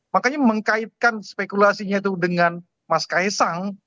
makanya mengkaitkan spekulasinya itu dengan mas kaisang